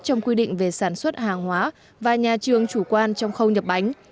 trong quy định về sản xuất hàng hóa và nhà trường chủ quan trong khâu nhập bánh